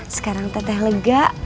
sekarang teteh lega